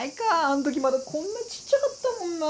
あん時まだこんなちっちゃかったもんな。